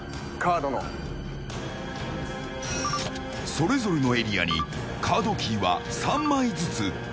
それぞれのエリアにカードキーは３枚ずつ。